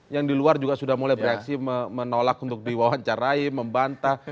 yang di luar juga sudah mulai bereaksi menolak untuk diwawancarai membantah